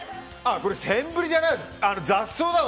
これ、センブリじゃないわ。